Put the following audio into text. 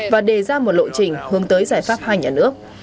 và đề ra một lộ trình hướng tới giải pháp hai nhà nước